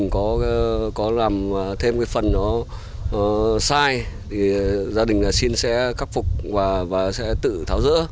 có làm thêm cái phần nó sai thì gia đình xin sẽ cắt phục và sẽ tự tháo dỡ